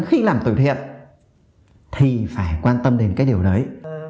khi làm từ thiện thì phải quan tâm đến cái điều đấy